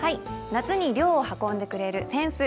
夏に涼を運んでくれる扇子。